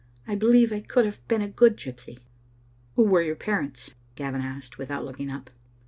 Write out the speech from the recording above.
I believe I could have been a good gypsy." "Who were your parents?" Gavin asked, without looking up.